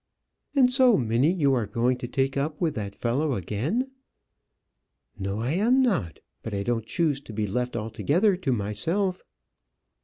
"And so, Minnie, you are going to take up with that fellow again?" "No; I am not. But I don't choose to be left altogether to myself."